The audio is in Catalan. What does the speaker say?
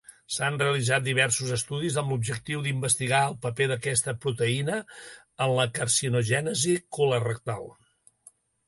S'han realitzat diversos estudis amb l'objectiu d'investigar el paper d'aquesta proteïna en la carcinogènesi colorectal.